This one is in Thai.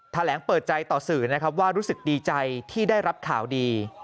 แถลงเปิดใจต่อสื่อนะครับว่ารู้สึกดีใจที่ได้รับข่าวดี